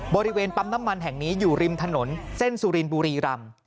บริเวณปั๊มน้ำมันแห่งนี้อยู่ริมถนนเส้นสุรินบุรีรำ